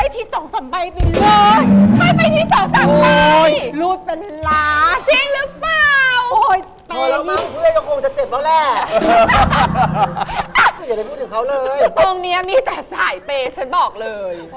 คือตรงนี้มีแต่สายเปย์ฉันบอกเลย